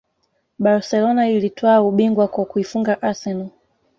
Barcelona ilitwaa ubingwa kwa kuifunga arsenal